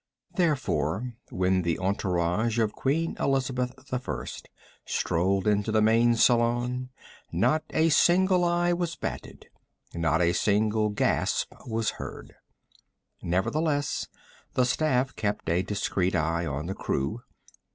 Therefore, when the entourage of Queen Elizabeth I strolled into the main salon, not a single eye was batted. Not a single gasp was heard. Nevertheless, the staff kept a discreet eye on the crew.